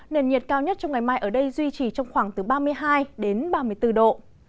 nền nhiệt cao nhất trong ngày mai ở đây duy trì trong khoảng từ ba mươi hai đến ba mươi bốn độ